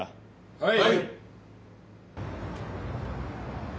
はい！